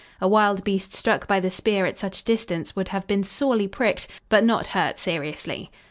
A wild beast struck by the spear at such distance would have been sorely pricked, but not hurt seriously.